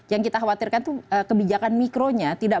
yang kita khawatirkan itu kebijakan mikronya